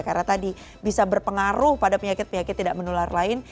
karena tadi bisa berpengaruh pada penyakit penyakit tidak menular lain